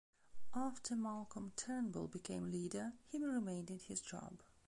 After Malcolm Turnbull became leader, he remained in his job.